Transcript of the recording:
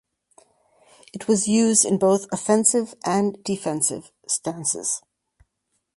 It was used in both offensive and defensive stances.